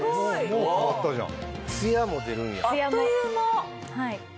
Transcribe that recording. もう変わったじゃん。